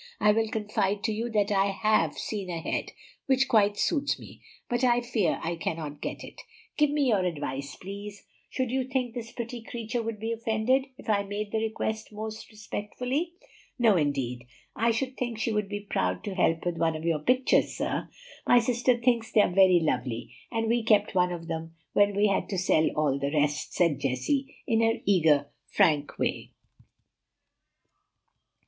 I will confide to you that I HAVE seen a head which quite suits me; but I fear I cannot get it. Give me your advice, please. Should you think this pretty creature would be offended, if I made the request most respectfully?" "No, indeed; I should think she would be proud to help with one of your pictures, sir. My sister thinks they are very lovely; and we kept one of them when we had to sell all the rest," said Jessie, in her eager, frank way.